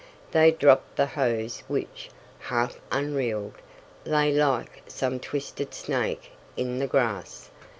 They dropped the hose which, half unreeled, lay like some twisted snake in the grass.